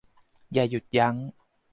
อย่าหยุดยั้ง